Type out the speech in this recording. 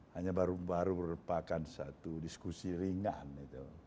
hanya baru baru merupakan satu diskusi ringan itu